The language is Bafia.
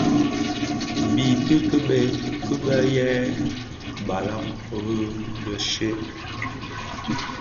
Biitiʼi kibëë yêê balàg rì biswed.